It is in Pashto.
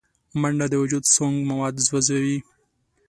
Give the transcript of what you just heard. منډه د وجود سونګ مواد سوځوي